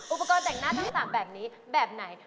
อุปกรณ์แต่งหน้าทั้ง๓แบบนี้แบบไหน